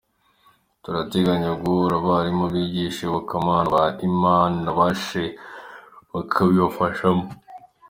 Turanateganya guhugura abarimu bigisha Iyobokamana, ba Imam na ba Sheikh bakabibafashamo.